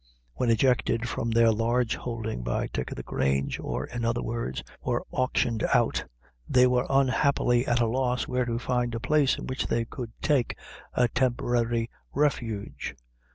When ejected from their large holding by Dick o' the Grange, or in other words, were auctioned out, they were unhappily at a loss where to find a place in which they could take a temporary refuge.